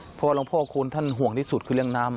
เพราะว่าหลวงพ่อคูณท่านห่วงที่สุดคือเรื่องน้ำ